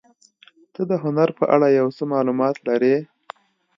ته د هنر په اړه یو څه معلومات لرې؟